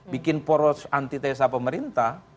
bikin poros antitesa pemerintah